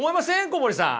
小堀さん。